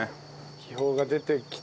気泡が出てきて。